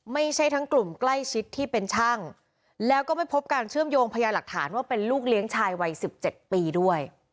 ไม่ใช่ทั้งกลุ่มใกล้ชิดที่เป็นช่างแล้วก็ไม่พบการเชื่อมโยงพยาหลักฐานว่าเป็นลูกเลี้ยงชายวัยสิบเจ็ดปีด้วย